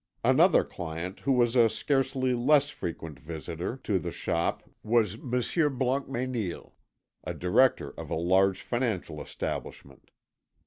Another client who was a scarcely less frequent visitor to the shop was Monsieur Blancmesnil, a director of a large financial establishment.